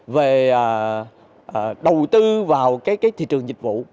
về đầu tư vào cái thị trường dịch vụ